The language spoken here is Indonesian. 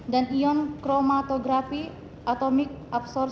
dan ion kromatografi atomik atomik